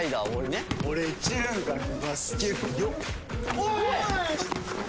おい！